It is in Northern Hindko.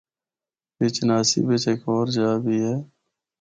پیرچناسی بچ ہک ہور جآ بھی اے۔